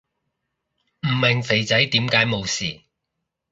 唔明肥仔點解冇事